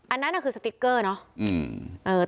อันนั้นคือสติ๊กเกอร์เนาะ